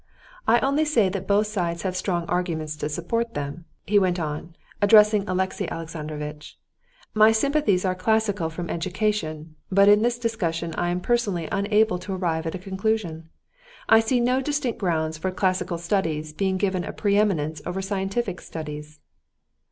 "I only say that both sides have strong arguments to support them," he went on, addressing Alexey Alexandrovitch. "My sympathies are classical from education, but in this discussion I am personally unable to arrive at a conclusion. I see no distinct grounds for classical studies being given a preeminence over scientific studies."